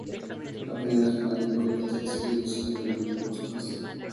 A finales de año publica el sencillo "Diciembre Y No Estás".